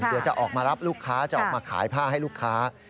เดี๋ยวจะออกมารับลูกค้าจะออกมาขายผ้าให้ลูกค้า